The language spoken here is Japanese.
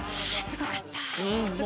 すごかった。